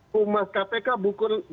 humas kpk bukanlah